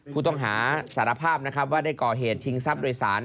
ผู้ต้องหาสารภาพนะครับว่าได้ก่อเหตุชิงทรัพย์โดยสาร